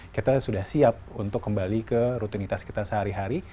kita sudah siap untuk kembali ke rutinitas kita sehari hari